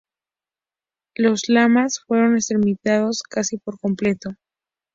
Los lamas fueron exterminados casi por completo.